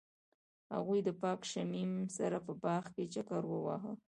هغوی د پاک شمیم سره په باغ کې چکر وواهه.